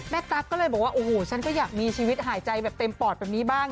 ตั๊กก็เลยบอกว่าโอ้โหฉันก็อยากมีชีวิตหายใจแบบเต็มปอดแบบนี้บ้าง